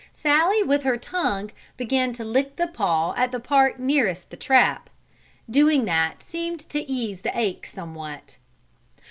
Sallie, with her tongue, began to lick the paw at the part nearest the trap. Doing that seemed to ease the ache somewhat.